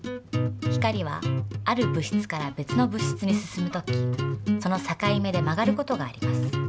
光はある物質から別の物質に進む時そのさかい目で曲がる事があります。